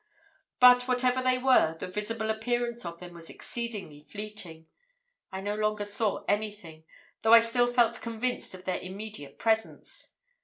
"But, whatever they were, the visible appearance of them was exceedingly fleeting. I no longer saw anything, though I still felt convinced of their immediate presence.